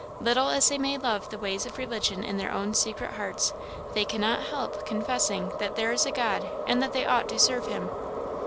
Little as they may love the ways of religion in their own secret hearts, they cannot help confessing that there is a God, and that they ought to serve him.